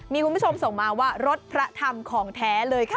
มีคุณผู้ชมส่งมาว่ารถพระธรรมของแท้เลยค่ะ